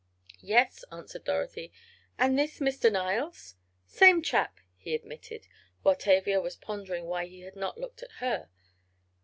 "Yes," answered Dorothy, "and this Mr. Niles?" "Same chap," he admitted, while Tavia was wondering why he had not looked at her.